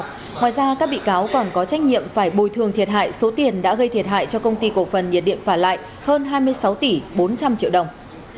ngoài ra các bị cáo còn có trách nhiệm phải bồi thường thiệt hại số tiền đã gây thiệt hại cho công ty cổ phần nhiệt điện phả lại hơn hai mươi sáu tỷ bốn trăm linh triệu đồng